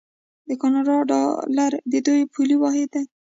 د کاناډا ډالر د دوی پولي واحد دی.